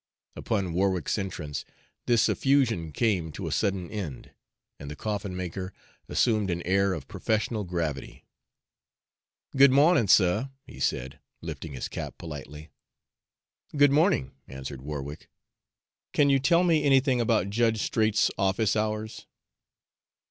Upon Warwick's entrance this effusion came to a sudden end, and the coffin maker assumed an air of professional gravity. "Good mawnin', suh," he said, lifting his cap politely. "Good morning," answered Warwick. "Can you tell me anything about Judge Straight's office hours?"